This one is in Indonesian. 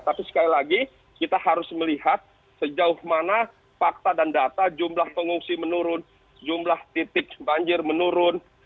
tapi sekali lagi kita harus melihat sejauh mana fakta dan data jumlah pengungsi menurun jumlah titik banjir menurun